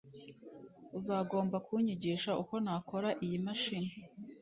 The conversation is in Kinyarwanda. Uzagomba kunyigisha uko nakora iyi mashini.